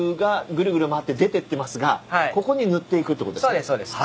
そうですそうです。